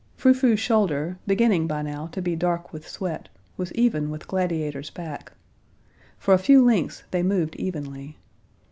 Frou Frou's shoulder, beginning by now to be dark with sweat, was even with Gladiator's back. For a few lengths they moved evenly.